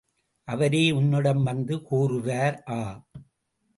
அவரே உன்னிடம் வந்து கூறுவார்! ஆ!